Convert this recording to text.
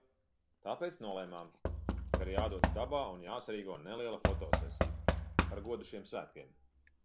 Tāpēc nolēmām, ka ir jādodas dabā un jāsarīko neliela fotosesija, par godu šiem svētkiem.